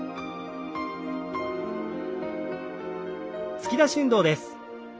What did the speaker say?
突き出し運動です。